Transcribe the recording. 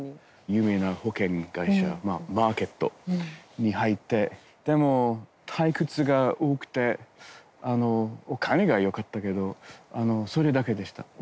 有名な保険会社マーケットに入ってでも退屈が多くてお金がよかったけどそれだけでした。